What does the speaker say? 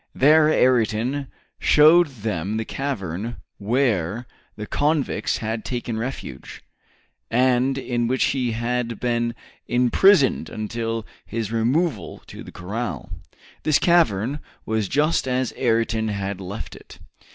There Ayrton showed them the cavern where the convicts had taken refuge, and in which he had been imprisoned until his removal to the corral. This cavern was just as Ayrton had left it.